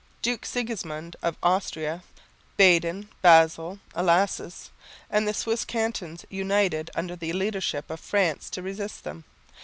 Duke Sigismund of Austria, Baden, Basel, Elsass, and the Swiss Cantons united under the leadership of France to resist them.